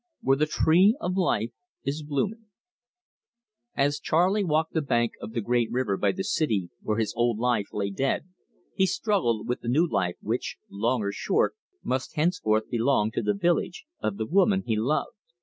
"WHERE THE TREE OF LIFE IS BLOOMING " As Charley walked the bank of the great river by the city where his old life lay dead, he struggled with the new life which long or short must henceforth belong to the village of the woman he loved....